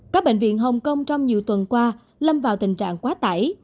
các bệnh viện hồng kông trong nhiều tuần qua lâm vào tình trạng quá tải